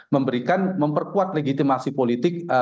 memberikan memperkuat legitimasi politik